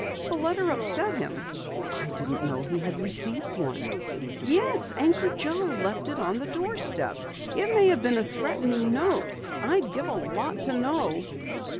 "The letter upset him?" "I didn't know he had received one." "Yes, Anchor Joe left it on the doorstep. It may have been a threatening note. I'd give a lot to know."